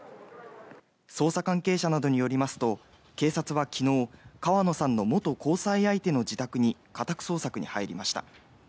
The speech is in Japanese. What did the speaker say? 捜査関係者などによりますと警察は昨日川野さんの元交際相手の自宅に家宅捜索に入りました。